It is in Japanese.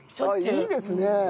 いいですね。